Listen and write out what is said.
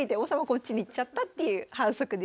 こっちに行っちゃったっていう反則でした。